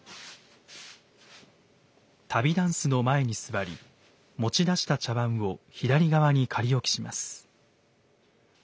旅箪笥の前に座り持ち出した茶碗を左側に仮置きします。